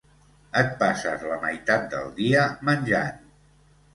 Et passes la meitat del dia menjant.